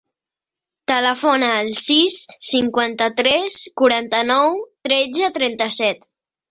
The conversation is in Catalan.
Telefona al sis, cinquanta-tres, quaranta-nou, tretze, trenta-set.